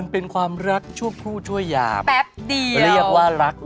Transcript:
เพราะฉะนั้นอย่าไปให้เขาหลอกได้